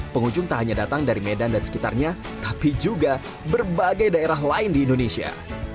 pengunjung tak hanya datang dari medan dan sekitarnya tapi juga berbagai daerah lain di indonesia